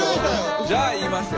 じゃあ言いますよ。